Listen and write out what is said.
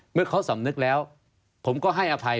เมื่อเขาสำนึกแล้วผมก็ให้อภัย